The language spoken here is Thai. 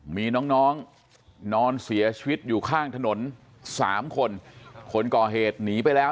มีน้องน้องนอนเสียชีวิตอยู่ข้างถนนสามคนคนก่อเหตุหนีไปแล้ว